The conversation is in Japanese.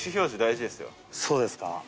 そうですか？